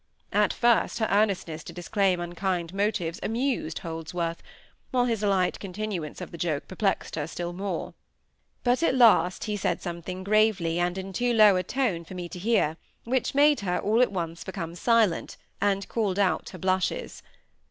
At first her earnestness to disclaim unkind motives amused Holdsworth; while his light continuance of the joke perplexed her still more; but at last he said something gravely, and in too low a tone for me to hear, which made her all at once become silent, and called out her blushes.